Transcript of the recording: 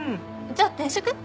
じゃあ転職？